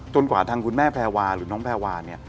กว่าทางคุณแม่แพรวาหรือน้องแพรวาเนี่ย